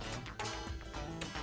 toilet dimana ya